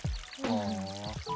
うん。